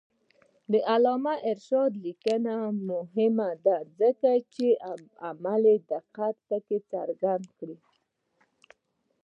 د علامه رشاد لیکنی هنر مهم دی ځکه چې علمي دقت پکې څرګند دی.